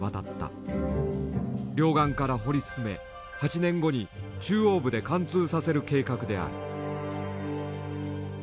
両岸から掘り進め８年後に中央部で貫通させる計画である。